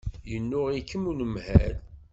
Yennuɣ-ikem unemhal.